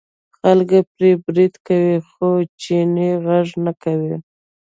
خلک پرې برید کوي خو چینی غږ نه کوي.